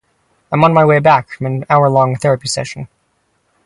I'm on my way back from an hour-long therapy session.